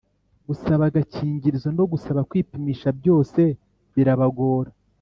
gusaba agakingirizo no gusaba kwipimisha byose birabagora,